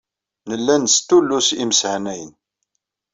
Nella nestullus imeshanayen.